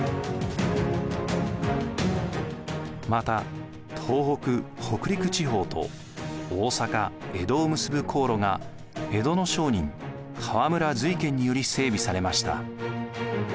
また東北北陸地方と大坂江戸を結ぶ航路が江戸の商人河村瑞賢により整備されました。